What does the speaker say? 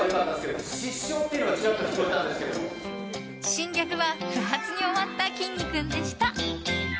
新ギャグは不発に終わったきんに君でした。